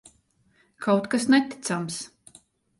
Kaut kas neticams!